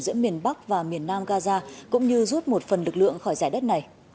giữa miền bắc và miền nam gaza cũng như rút một phần lực lượng khỏi giải đất này